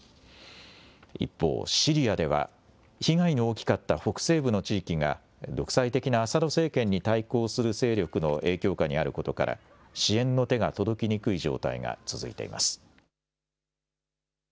一方、シリアでは、被害の大きかった北西部の地域が、独裁的なアサド政権に対抗する勢力の影響下にあることから、支援の手が届きにくい状態が続いています。